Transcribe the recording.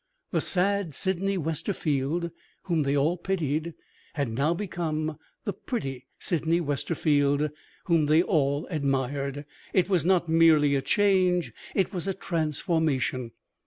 The sad Sydney Westerfield whom they all pitied had now become the pretty Sydney Westerfield whom they all admired. It was not merely a change it was a transformation.